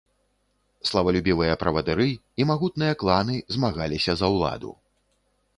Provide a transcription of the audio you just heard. Славалюбівыя правадыры і магутныя кланы змагаліся за ўладу.